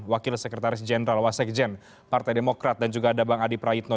wakil sekretaris jenderal wasekjen partai demokrat dan juga ada bang adi praitno